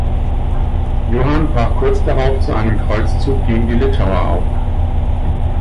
Johann brach kurz darauf zu einem Kreuzzug gegen die Litauer auf.